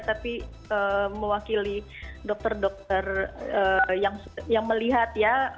tapi mewakili dokter dokter yang melihat ya